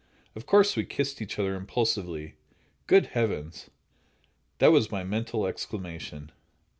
Of course we kissed each other impulsively. Good heavens! That was my mental exclamation.